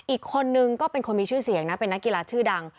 อีกคนนึงก็เป็นคนมีชื่อเสียงนะเป็นนักกีฬาชื่อดัง